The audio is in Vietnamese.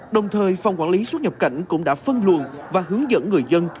đồng thời phòng quản lý xuất nhập cảnh cũng đã phân luồn và hướng dẫn người dân